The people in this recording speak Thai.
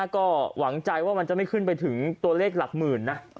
ก็หวังใจว่ามันจะไม่ขึ้นไปถึงตัวเลขหลักหมื่นนะ